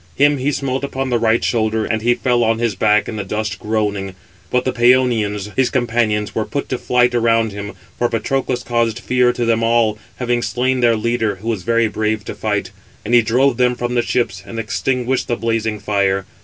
Him he smote upon the right shoulder, and he fell on his back in the dust groaning; but the Pæonians, his companions, were put to flight around him, for Patroclus caused fear to them all, having slain their leader, who was very brave to fight. And he drove them from the ships, and extinguished the blazing fire.